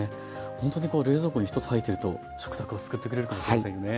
ほんとにこう冷蔵庫に１つ入っていると食卓を救ってくれるかもしれませんよね。